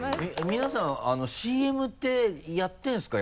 皆さんＣＭってやってるんですか？